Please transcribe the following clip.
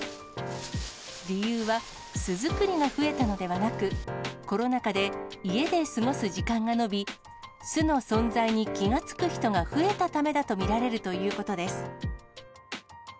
理由は、巣作りが増えたのではなく、コロナ禍で、家で過ごす時間が延び、巣の存在に気が付く人が増えたためだと見られるということです。